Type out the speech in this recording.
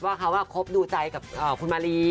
ว่าเขาว่าก็เคิบดูใจกับคุณมารี